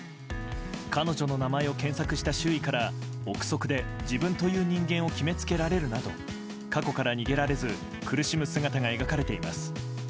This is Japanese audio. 彼女の名前を検索した周囲から憶測で自分という人間を決めつけられるなど過去から逃げられず苦しむ姿が描かれています。